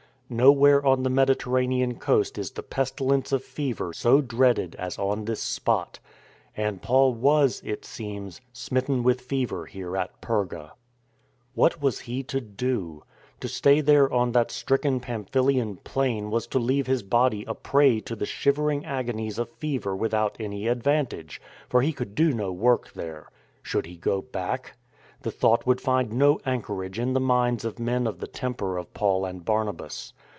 Nowhere on the Mediterranean coast is the pestilence of fever so dreaded as on this spot. And Paul was, it seems, smitten with fever here at Perga.^ What was he to do ? To stay there on that stricken Pamphylian plain was to leave his body a prey to the shivering agonies of fever without any advantage — for he could do no work there. Should he go back ?— the thought would find no anchorage in the minds of men of the temper of Paul and Barnabas.